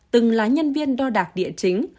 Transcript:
từng là nhân viên đo đạc địa chính